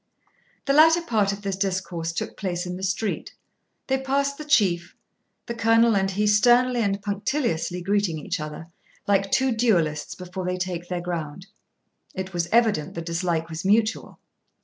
The latter part of this discourse took place in the street. They passed the Chief, the Colonel and he sternly and punctiliously greeting each other, like two duellists before they take their ground. It was evident the dislike was mutual.